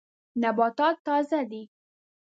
نباتات تازه دي.